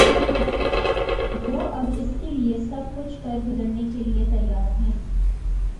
وہ اب اس کے لیے سب کچھ کر گزرنے کے لیے تیار ہیں۔